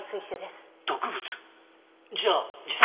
じゃあ自殺？